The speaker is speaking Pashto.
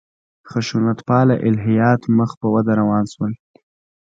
خشونت پاله الهیات مخ په وده روان شول.